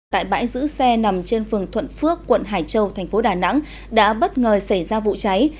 tại bãi giữ xe nằm trên phường thuận phước quận hải châu thành phố đà nẵng đã bất ngờ xảy ra vụ cháy